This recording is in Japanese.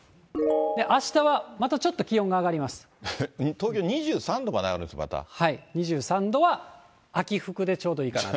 あしたはまたちょっと気温が上が東京２３度まで上がるの、ま２３度は秋服でちょうどいいかな。